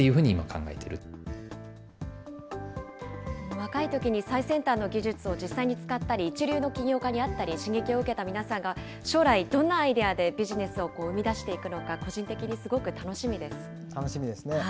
若いときに最先端の技術を実際に使ったり、一流の起業家に会ったり、刺激を受けた皆さんが、将来、どんなアイデアでビジネスを生み出していくのか、個人的に楽しみですね。